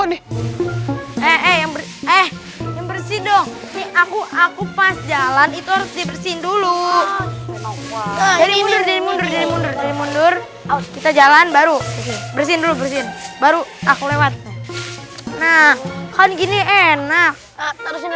mundur kita jalan baru bersih dulu bersihin baru aku lewat nah kan gini enak terus ini